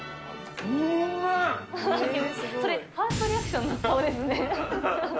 それ、ファーストリアクションの顔ですね。